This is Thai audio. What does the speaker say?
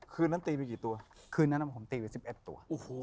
คืนนั้นผมตีไป๑๑ตัว